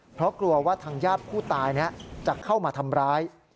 เพราะกลัวว่าทางญาติผู้ตายจะเข้ามาทำร้าย